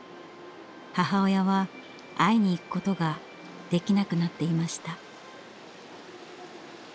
母親は会いに行くことができなくなっていました。